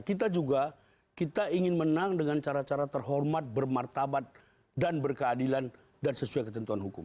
kita juga kita ingin menang dengan cara cara terhormat bermartabat dan berkeadilan dan sesuai ketentuan hukum